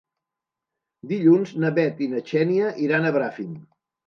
Dilluns na Bet i na Xènia iran a Bràfim.